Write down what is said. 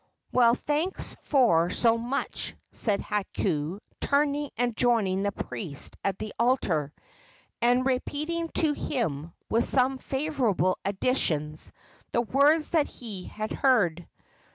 "Well, thanks for so much," said Hakau, turning and joining the priest at the altar, and repeating to him, with some favorable additions, the words that he had heard.